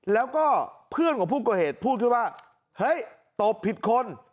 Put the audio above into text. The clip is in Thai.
แล้วก็เพื่อนของผู้ก่อเหตุพูดขึ้นว่าเฮ้ยตบผิดคน